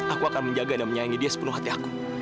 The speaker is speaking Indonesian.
aku akan menjaga dan menyayangi dia sepenuh hati aku